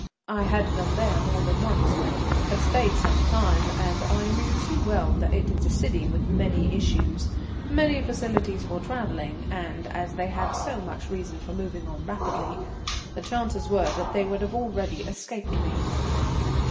I had been there more than once, had stayed some time, and I knew too well that it is a city with many issues, many facilities for travelling, and, as they had so much reason for moving on rapidly, the chances were that they would have already escaped me.